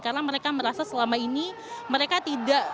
karena mereka merasa selama ini mereka tidak